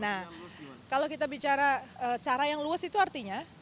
nah kalau kita bicara cara yang luas itu artinya